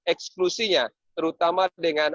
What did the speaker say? eksklusinya terutama dengan